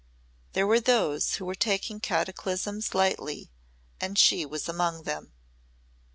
There were those who were taking cataclysms lightly and she was among them.